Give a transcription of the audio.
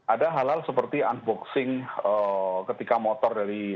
ada hal hal seperti unboxing ketika motor dari